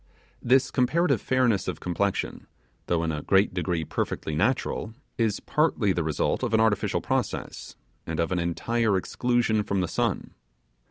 This comparative fairness of complexion, though in a great degree perfectly natural, is partly the result of an artificial process, and of an entire exclusion from the sun.